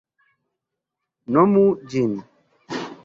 Nomu ĝin.